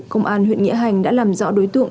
công an huyện nghĩa hành đã làm rõ đối tượng